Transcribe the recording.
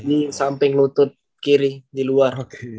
di samping lutut kiri di luar